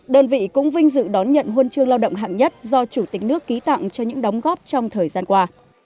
đơn vị cũng vinh dự đón nhận huân chương lao động hạng nhất do chủ tịch nước ký tặng cho những đóng góp trong thời gian qua